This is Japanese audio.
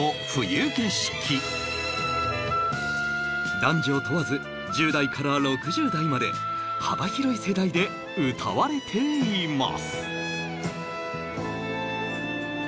男女問わず１０代から６０代まで幅広い世代で歌われています